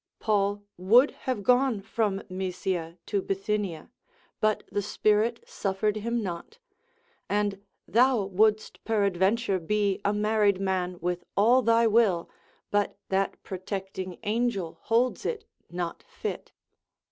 Paul would have gone from Mysia to Bithynia, but the spirit suffered him not, and thou wouldst peradventure be a married man with all thy will, but that protecting angel holds it not fit.